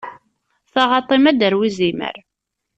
Taɣaṭ-im ad d-tarew izimer.